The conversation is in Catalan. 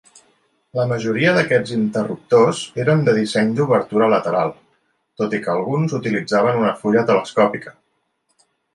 La majoria d'aquests interruptors eren de disseny d'obertura lateral, tot i que alguns utilitzaven una fulla telescòpica.